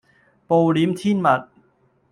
暴殄天物